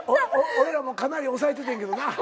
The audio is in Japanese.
おいらもかなり抑えててんけどな。